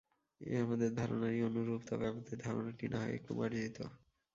এ আমাদের ধারণারই অনুরূপ, তবে আমাদের ধারণাটি না হয় একটু মার্জিত।